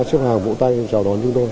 sức hào vỗ tay chào đón chúng tôi